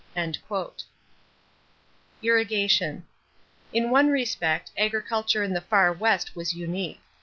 =Irrigation.= In one respect agriculture in the Far West was unique.